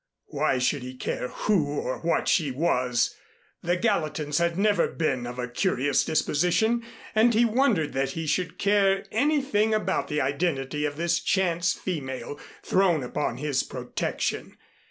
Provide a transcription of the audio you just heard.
Why should he care who or what she was! The Gallatins had never been of a curious disposition and he wondered that he should care anything about the identity of this chance female thrown upon his protection.